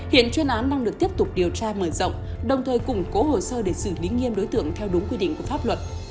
hiện chuyên án đang được tiếp tục điều tra mở rộng đồng thời củng cố hồ sơ để xử lý nghiêm đối tượng theo đúng quy định của pháp luật